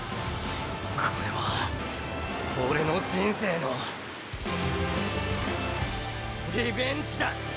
これは俺の人生のリベンジだ！